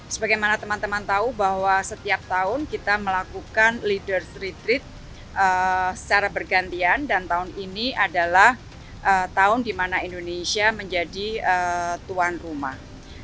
sebagaimana teman teman tahu bahwa setiap tahun kita melakukan leaders retreat secara bergantian dan tahun ini adalah tahun di mana indonesia menjadi tuan rumah